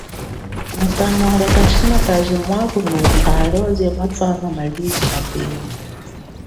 Mukanwa lia kashinakaji mwanukha, mba alioze mwatwama maliji apema.